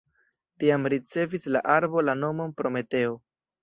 Tiam ricevis la arbo la nomon Prometeo.